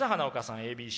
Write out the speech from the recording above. ＡＢＣ。